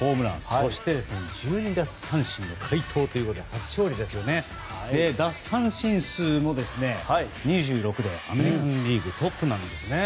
そして、１２奪三振の快投ということで奪三振数も２６でアメリカン・リーグでトップなんですね。